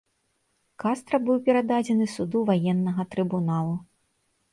Кастра быў перададзены суду ваеннага трыбуналу.